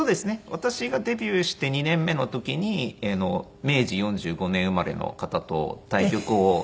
私がデビューして２年目の時に明治４５年生まれの方と対局をして。